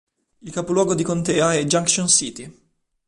Il capoluogo di contea è Junction City